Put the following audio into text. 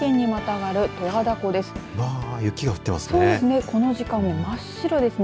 わあ、雪が降ってますね。